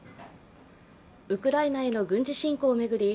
ウクライナへの軍事侵攻を巡り